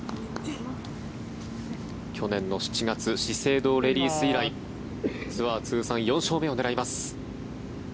去年の７月資生堂レディス以来ツアー通算４勝目を狙います。